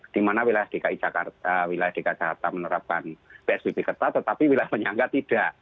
di mana wilayah dki jakarta menerapkan psbb ketat tetapi wilayah penyangga tidak